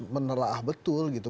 menerah betul gitu